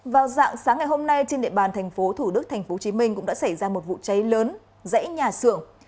vào dạng sáng ngày hôm nay trên địa bàn tp thủ đức tp hcm cũng đã xảy ra một vụ cháy lớn dãy nhà xưởng